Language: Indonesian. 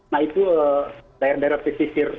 nah itu daerah daerah pesisir